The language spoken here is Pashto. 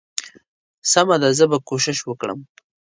سمه ده زه به کوشش وکړم.